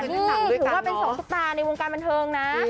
นี่ถือว่าเป็นสองซุปตาในวงการบันเทิงนะ